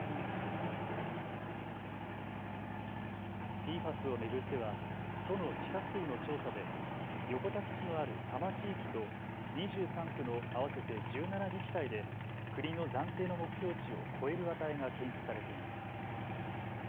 ＰＦＡＳを巡っては都の地下水の調査で横田基地のある多摩地域と２３区の合わせて１７自治体で国の暫定の目標値を超える値が検出されています。